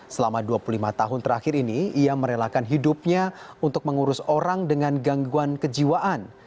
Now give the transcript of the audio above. selama dua puluh lima tahun terakhir ini ia merelakan hidupnya untuk mengurus orang dengan gangguan kejiwaan